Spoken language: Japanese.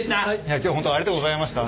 今日本当ありがとうございました。